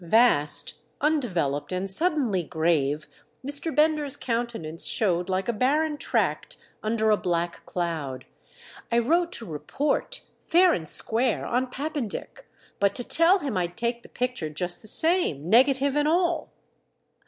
Vast, undeveloped and suddenly grave, Mr. Bender's countenance showed like a barren tract under a black cloud. "I wrote to report, fair and square, on Pap pendick, but to tell him I'd take the picture just the same, negative and all."